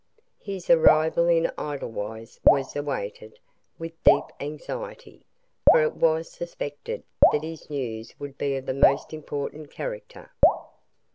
His arrival in Edelweiss was awaited with deep anxiety, for it was suspected that his news would be of the most important character.